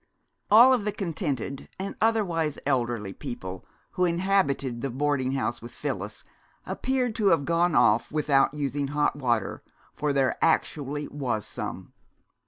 ... All of the contented, and otherwise, elderly people who inhabited the boarding house with Phyllis appeared to have gone off without using hot water, for there actually was some.